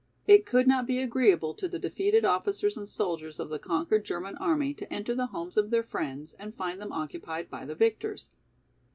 It could not be agreeable to the defeated officers and soldiers of the conquered German army to enter the homes of their friends and find them occupied by the victors.